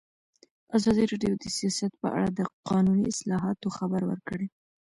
ازادي راډیو د سیاست په اړه د قانوني اصلاحاتو خبر ورکړی.